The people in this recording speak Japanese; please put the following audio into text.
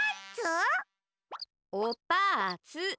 お・パーツ！